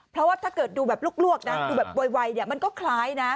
เพราะว่าถ้าเกิดดูแบบลวกนะดูแบบไวเนี่ยมันก็คล้ายนะ